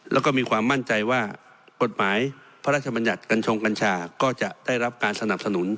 แล้วก็มีความมั่นใจว่ากฎหมายพระราชบัญญัติกัญชงกัญชาก็จะได้รับการสนับสนุน